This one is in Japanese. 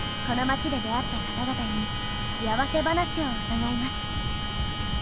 この街で出会った方々に幸せ話を伺います。